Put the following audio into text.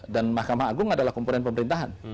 dan mahkamah agung adalah komponen pemerintahan